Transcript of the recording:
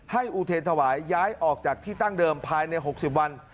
อุเทรนถวายย้ายออกจากที่ตั้งเดิมภายใน๖๐วัน